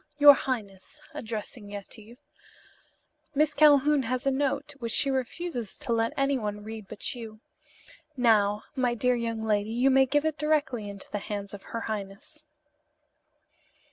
"Your highness," addressing Yetive, "Miss Calhoun has a note which she refuses to let anyone read but you. Now, my dear young lady, you may give it directly into the hands of her highness."